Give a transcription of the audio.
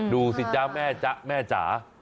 ดูสิจ๊ะแม่จ๊ะแม่จ๋า